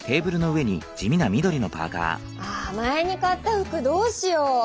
ああ前に買った服どうしよう？